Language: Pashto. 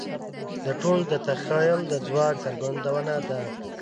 دا ټول د تخیل د ځواک څرګندونه ده.